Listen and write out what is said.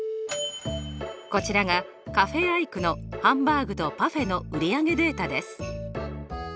こちらがカフェ・アイクのハンバーグとパフェの売り上げデータです。